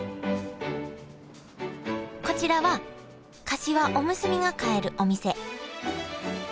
こちらはかしわおむすびが買えるお店。